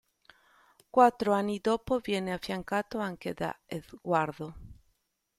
Quattro anni dopo viene affiancato anche da Edgardo.